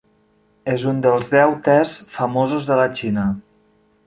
És un dels deu tes famosos de la Xina.